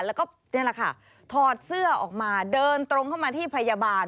แล้วก็นี่แหละค่ะถอดเสื้อออกมาเดินตรงเข้ามาที่พยาบาล